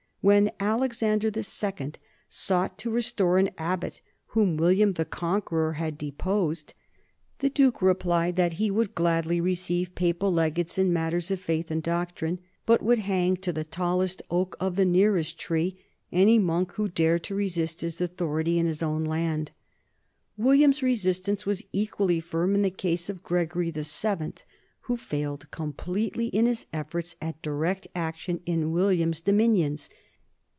When Alexander II sought to restore an abbot whom William the Conqueror had deposed, the duke replied that he would gladly receive papal legates in matters of faith and doctrine, but would hang to the tallest oak of the nearest forest any monk who dared to resist his author ity in his own land. William's resistance was equally firm in the case of Gregory VII, who failed completely in his efforts at direct action in William's dominions.